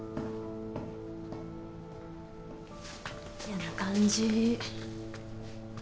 やな感じ。